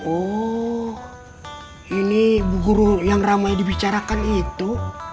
oh ini guru yang ramai dibicarakan itu